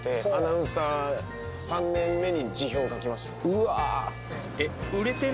うわ！